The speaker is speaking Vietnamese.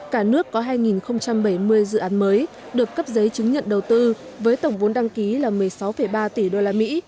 cả nước có hai bảy mươi dự án mới được cấp giấy chứng nhận đầu tư với tổng vốn đăng ký là một mươi sáu ba tỷ đô la mỹ